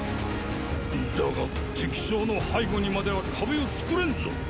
だが敵将の背後にまでは壁を作れぬぞ。